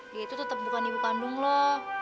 dia itu tetep bukan ibu kandung gue